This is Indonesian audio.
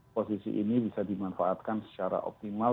posisi ini bisa dimanfaatkan secara optimal